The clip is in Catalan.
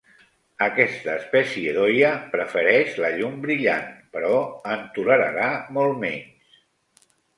Aquesta espècie d'"Hoya" prefereix la llum brillant, però en tolerarà molt menys.